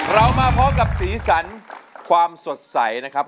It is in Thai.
เรามาพบกับสีสันความสดใสนะครับ